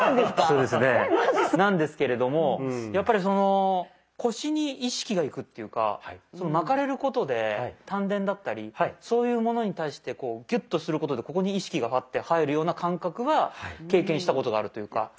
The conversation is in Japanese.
そうなんですか⁉なんですけれどもやっぱりその腰に意識がいくっていうか巻かれることで丹田だったりそういうものに対してこうギュッとすることでここに意識がパッて入るような感覚は経験したことがあるというか。